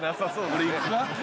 俺行くか？